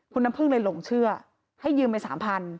คุณน้ำพึ่งเลยหลงเชื่อให้ยืมไป๓๐๐